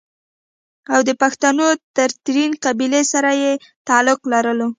او دَپښتنو دَ ترين قبيلې سره ئې تعلق لرلو